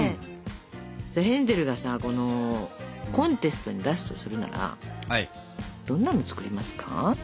ヘンゼルがさコンテストに出すとするならどんなの作りますか？